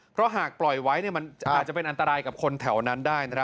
เพราะหากปล่อยไว้มันอาจจะเป็นอันตรายกับคนแถวนั้นได้นะครับ